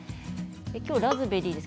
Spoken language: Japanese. きょうはラズベリーです。